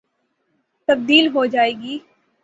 تبدیل ہو جائے گی۔